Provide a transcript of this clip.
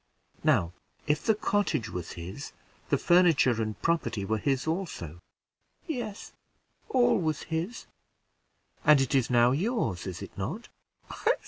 Now, if the cottage was his, the furniture and property were his also?" "Yes, all was his." "And it is now yours, is it not?"